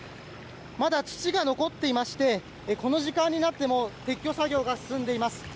まだ土が残っていましてこの時間になっても撤去作業が進んでいます。